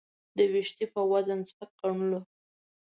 د وېښتې په وزن سپک وګڼلو.